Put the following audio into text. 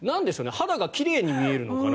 肌が奇麗に見えるのかな。